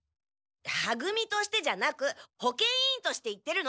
は組としてじゃなく保健委員として言ってるの！